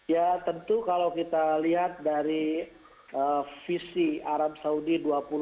ya tentu kalau kita lihat dari visi arab saudi dua ribu dua puluh